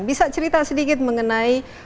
bisa cerita sedikit mengenai